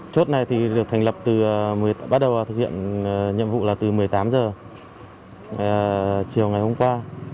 chốt này thì được thành lập bắt đầu thực hiện nhiệm vụ là từ một mươi tám h chiều ngày hôm qua